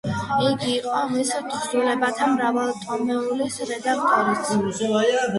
იგი იყო მის თხზულებათა მრავალტომეულის რედაქტორიც.